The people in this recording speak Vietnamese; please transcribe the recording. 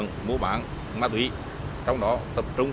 ngay mùng hai tháng tám